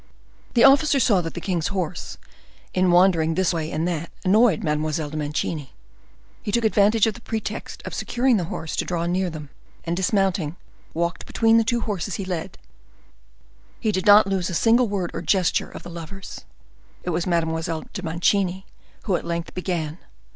The officer saw that the king's horse, in wandering this way and that, annoyed Mademoiselle de Mancini. He took advantage of the pretext of securing the horse to draw near them, and dismounting, walked between the two horses he led; he did not lose a single word or gesture of the lovers. It was Mademoiselle de Mancini who at length began.